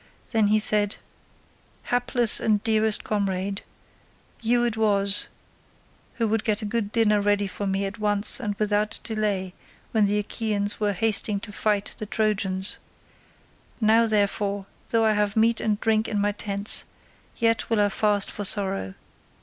Then he said— "Hapless and dearest comrade, you it was who would get a good dinner ready for me at once and without delay when the Achaeans were hasting to fight the Trojans; now, therefore, though I have meat and drink in my tents, yet will I fast for sorrow.